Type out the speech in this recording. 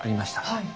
はい。